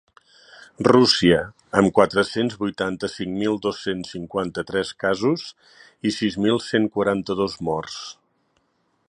Rússia, amb quatre-cents vuitanta-cinc mil dos-cents cinquanta-tres casos i sis mil cent quaranta-dos morts.